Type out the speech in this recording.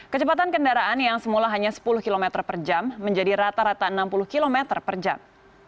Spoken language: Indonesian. kecepatan kendaraan yang semula hanya sepuluh km per jam menjadi rata rata enam puluh km per jam